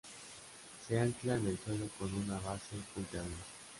Se ancla en el suelo con una base puntiaguda.